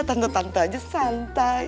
tante tante aja santai